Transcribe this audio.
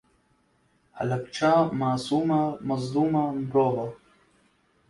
Helepçe masum e, mezlum e, mirov e